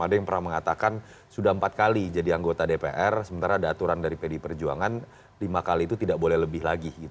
jadi fn di simbolon sudah empat kali jadi anggota dpr sementara ada aturan dari pdi perjuangan lima kali itu tidak boleh lebih lagi